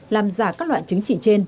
làm giả các loại chứng chỉ trên